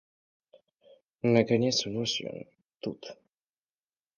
А канец вось ён, тут.